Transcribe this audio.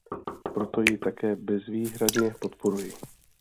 Proto ji také bezvýhradně podporuji.